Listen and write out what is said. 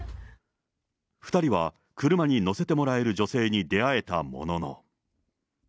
２人は車に乗せてもらえる女性に出会えたものの。